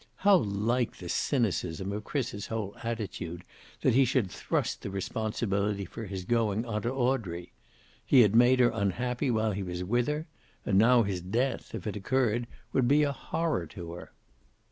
How like the cynicism of Chris's whole attitude that he should thrust the responsibility for his going onto Audrey. He had made her unhappy while he was with her, and now his death, if it occurred, would be a horror to her.